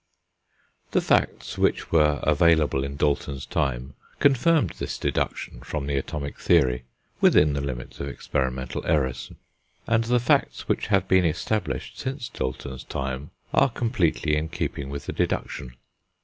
The facts which were available in Dalton's time confirmed this deduction from the atomic theory within the limits of experimental errors; and the facts which have been established since Dalton's time are completely in keeping with the deduction.